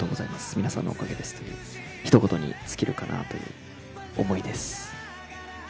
皆さんのおかげですという一言に尽きるかなという思いです。